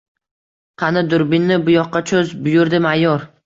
— Qani, durbinni buyoqqa cho‘z! — buyurdi mayor.